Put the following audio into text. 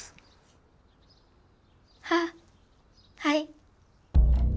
あっはい。